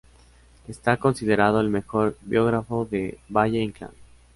Está considerado el mejor biógrafo de Valle-Inclán.